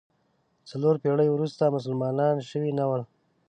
څلور پېړۍ وروسته مسلمانان شوي نه ول.